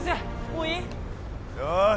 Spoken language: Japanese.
もういい？